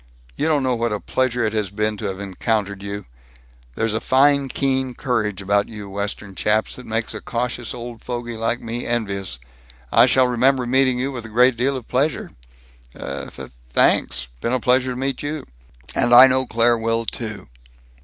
You don't know what a pleasure it has been to have encountered you. There's a fine keen courage about you Western chaps that makes a cautious old fogy like me envious. I shall remember meeting you with a great deal of pleasure." "Th thanks. Been pleasure meet you." "And I know Claire will, too."